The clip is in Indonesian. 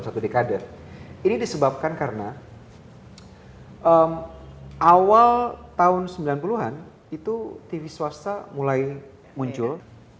satu dekade ini disebabkan karena awal tahun sembilan puluh an itu tv swasta mulai muncul